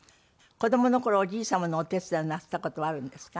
子供の頃おじい様のお手伝いをなすった事はあるんですか？